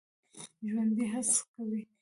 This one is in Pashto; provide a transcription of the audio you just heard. ژوندي هڅه کوي